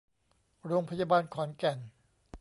โรงพยาบาลขอนแก่น